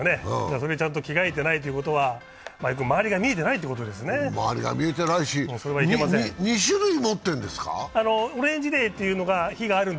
それにちゃんと着替えてないということは、周りが見えてないということですね、それはいけません